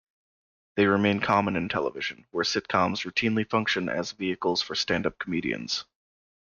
They remain common in television, where sitcoms routinely function as vehicles for stand-up comedians.